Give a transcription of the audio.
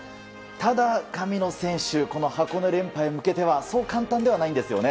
ただ、神野選手この箱根連覇へ向けてはそう簡単ではないんですよね。